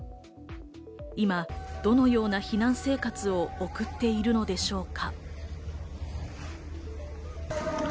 今、どのような避難生活を送っているのでしょうか？